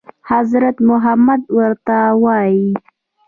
حضرت محمد ورته وايي.